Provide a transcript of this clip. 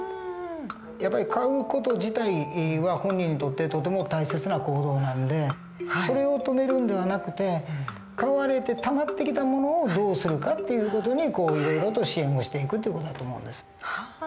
やっぱり買う事自体は本人にとってとても大切な行動なんでそれを止めるんではなくて買われてたまってきたものをどうするかっていう事にいろいろと支援をしていく事だと思うんです。